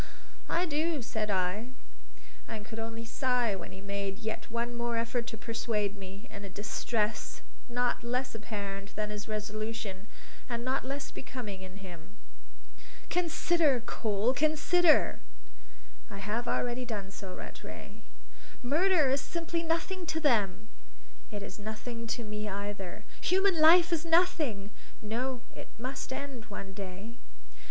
"I do," said I, and could only sigh when he made yet one more effort to persuade me, in a distress not less apparent than his resolution, and not less becoming in him. "Consider, Cole, consider!" "I have already done so, Rattray." "Murder is simply nothing to them!" "It is nothing to me either." "Human life is nothing!" "No; it must end one day."